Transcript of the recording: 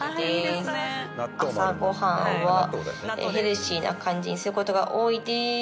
「朝ご飯はヘルシーな感じにする事が多いです」